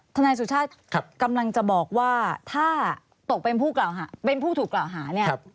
ทนายสุชาติกำลังจะบอกว่าถ้าตกเป็นผู้ถูกกล่าวหาเนี่ย